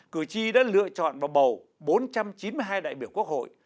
cử tri đã lựa chọn và bầu bốn trăm chín mươi hai đại biểu quốc hội